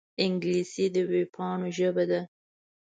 انګلیسي د وېبپاڼو ژبه ده